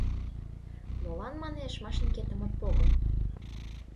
— Молан, манеш, машинкетым от пого?